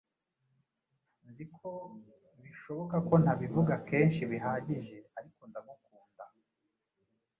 Nzi ko bishoboka ko ntabivuga kenshi bihagije, ariko ndagukunda.